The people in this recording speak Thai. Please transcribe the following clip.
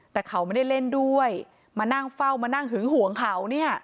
แต่เขาไม่ได้เล่นด้วยมานั่งเฝ้ามานั่งหึงห่วงเขาเนี่ย